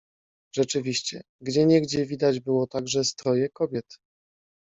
"Rzeczywiście, gdzieniegdzie widać było także stroje kobiet."